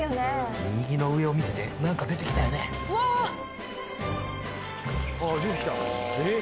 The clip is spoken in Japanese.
右の上を見てて何か出てきたよね出てきたええ？